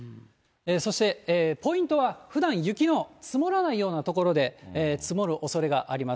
そしてポイントは、ふだん雪の積もらないような所で積もるおそれがあります。